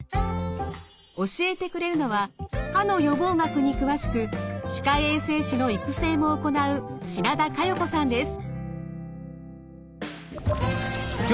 教えてくれるのは歯の予防学に詳しく歯科衛生士の育成も行う品田佳世子さんです。